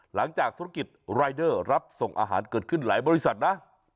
หลังจากธุรกิจรายเดอร์รับส่งอาหารเกิดขึ้นหลายบริษัทนะ